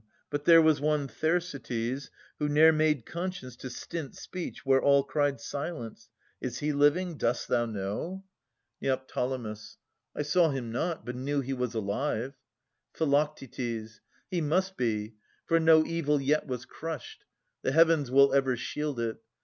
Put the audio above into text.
But there was one Thersites, Who ne'er made conscience to stint speech, where all Cried 'Silence!' Is he living, dost thou know? 445 475] Philodetes 283 Neo. I saw him not, but knew he was alive. Phi. He must be : for no evil yet was crushed. The Heavens will ever shield it.